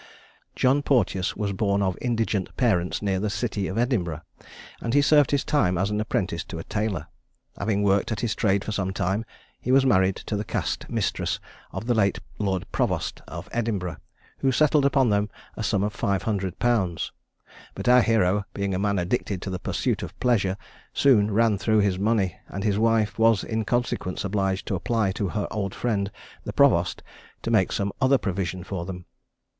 John Porteous was born of indigent parents near the city of Edinburgh; and he served his time as an apprentice to a tailor. Having worked at his trade for some time, he was married to the cast mistress of the late Lord Provost of Edinburgh, who settled upon them a sum of 500_l._; but our hero, being a man addicted to the pursuit of pleasure, soon ran through his money, and his wife was in consequence obliged to apply to her old friend, the provost, to make some other provision for them.